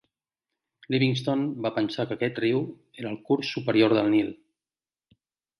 Livingstone va pensar que aquest riu era el curs superior del Nil.